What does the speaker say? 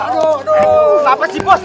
kenapa sih bos